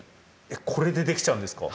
これでできちゃうんですか？